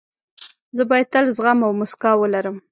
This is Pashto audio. زه باید تل زغم او موسکا ولرم.